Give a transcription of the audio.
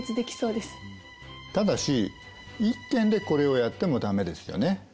ただし一軒でこれをやっても駄目ですよね。